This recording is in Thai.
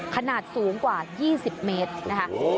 ขนาดสูงกว่ายี่สิบเมตรนะคะโอ้โห